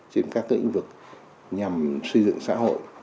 trên các tư ứng vực nhằm xây dựng xã hội